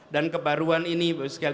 dan kebaruan ini